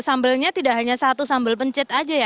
sambelnya tidak hanya satu sambel pencet aja ya